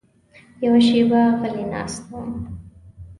یوه شېبه غلی ناست وم.